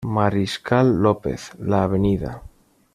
Mariscal López, la Avda.